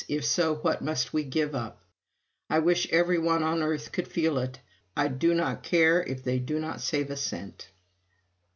if so, what must we give up? I wish every one on earth could feel it. I do not care if they do not save a cent.